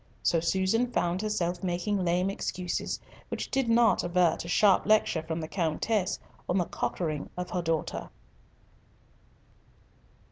So Susan found herself making lame excuses, which did not avert a sharp lecture from the Countess on the cockering of her daughter.